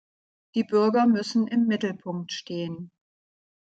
Die Bürger müssen im Mittelpunkt stehen.